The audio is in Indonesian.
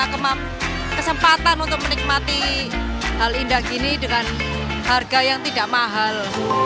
kesempatan untuk menikmati hal indah gini dengan harga yang tidak mahal